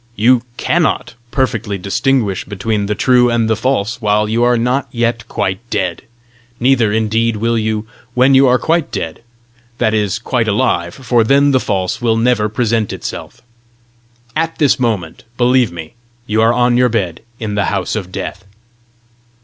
"You CANNOT perfectly distinguish between the true and the false while you are not yet quite dead; neither indeed will you when you are quite dead that is, quite alive, for then the false will never present itself. At this moment, believe me, you are on your bed in the house of death."